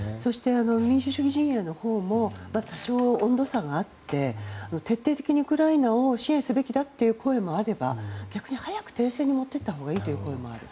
民主主義陣営のほうも多少温度差があって徹底的にウクライナを支援すべきだという声もあれば逆に早く停戦に持っていったほうがいいという声もある。